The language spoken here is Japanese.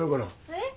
えっ？